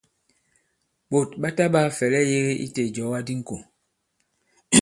Ɓòt ɓa taɓāa fɛ̀lɛ yēge i tē ìjɔ̀ga di ŋkò.